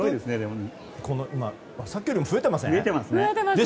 さっきよりも増えてません。